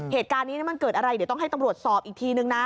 เหตุการณ์นี้มันเกิดอะไรเดี๋ยวต้องให้ตำรวจสอบอีกทีนึงนะ